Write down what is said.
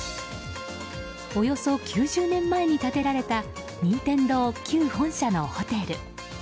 およそ９０年前に建てられた任天堂旧本社のホテル。